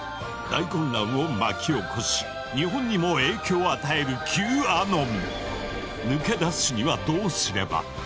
大混乱を巻き起こし日本にも影響を与える抜け出すにはどうすれば？